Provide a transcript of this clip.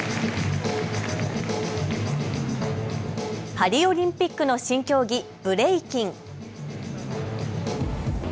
パリオリンピックの新競技、ブレイキン。